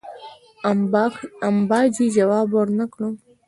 امباجي جواب ورنه کړ.